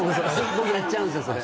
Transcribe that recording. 僕やっちゃうんすよそれ。